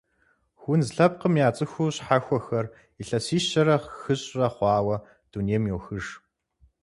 Хунз лъэпкъым я цӏыху щхьэхуэхэр илъэсищэрэ хыщӏрэ хъуауэ дунейм йохыж.